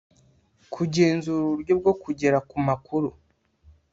Kugenzura uburyo bwo kugera ku makuru